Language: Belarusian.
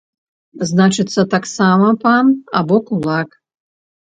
Значыцца, таксама пан або кулак.